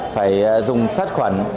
phải dùng sát khuẩn